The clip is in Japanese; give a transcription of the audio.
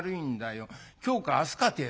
今日か明日かてえとこなの」。